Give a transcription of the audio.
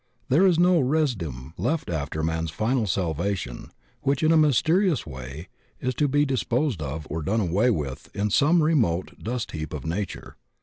There is no residuum left after man's final salvation which in a mysterious way is to be disposed of or done away with in some remote dust heap of nature.